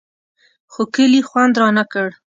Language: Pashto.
خو کلي خوند رانه کړ.